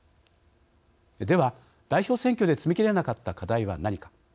では、代表選挙で詰め切れなかった課題は何か。